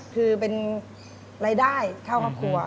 คือเป็นรายได้เข้าครอบครัว